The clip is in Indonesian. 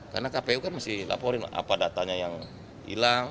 karena kpu kan mesti laporin apa datanya yang hilang